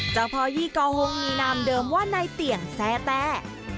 เจ้าพ่อยี่กอฮงมีนามเดิมว่านายเตียงแซ่แต้